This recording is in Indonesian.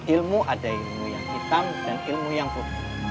ilmu ada ilmu yang hitam dan ilmu yang khusus